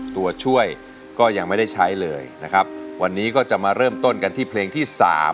ตัวช่วยก็ยังไม่ได้ใช้เลยนะครับวันนี้ก็จะมาเริ่มต้นกันที่เพลงที่๓